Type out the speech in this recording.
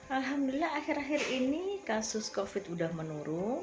alhamdulillah akhir akhir ini kasus covid sudah menurun